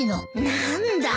何だ。